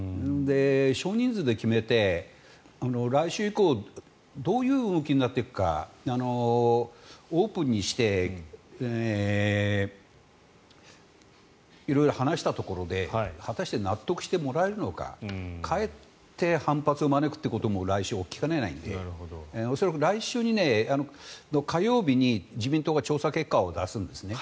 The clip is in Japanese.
少人数で決めて、来週以降どういう動きになっていくかオープンにして色々話したところで果たして納得してもらえるのかかえって反発を招くことも来週、起きかねないので恐らく来週の火曜日に、自民党が調査結果を出すんですね。